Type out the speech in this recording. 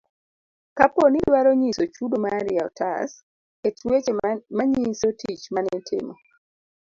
kapo ni idwaro nyiso chudo mari e otas, ket weche manyiso tich manitimo.